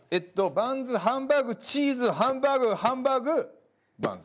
バンズハンバーグチーズハンバーグハンバーグバンズ。